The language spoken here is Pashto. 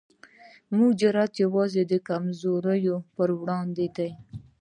زموږ جرئت یوازې د کمزورو پر وړاندې دی.